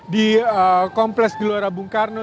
di kompleks gelora bung karno